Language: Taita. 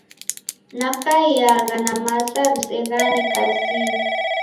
Nakaiagha na maza riseghane kazinyi.